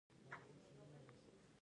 د مفصلونو د روغتیا لپاره حرکت وکړئ